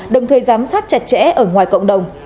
đồng thời giám sát chặt chẽ ở ngoài cộng đồng